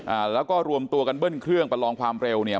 อ่าแล้วก็รวมตัวกันเบิ้ลเครื่องประลองความเร็วเนี่ย